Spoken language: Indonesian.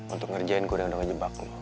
untuk ngerjain gue yang udah ngejebak lo